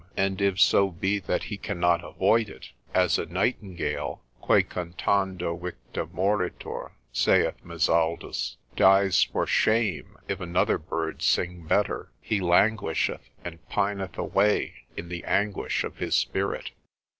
And if so be that he cannot avoid it, as a nightingale, Que cantando victa moritur, (saith Mizaldus,) dies for shame if another bird sing better, he languisheth and pineth away in the anguish of his spirit.